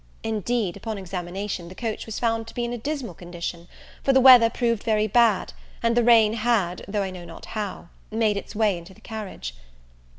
Indeed, upon examination the coach was found to be in a dismal condition; for the weather proved very bad, and the rain had, though I know not how, made its way into the carriage.